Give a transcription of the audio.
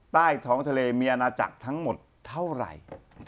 ใต้ท้องทะเลมีอาณาจักรทั้งหมดเท่าไหร่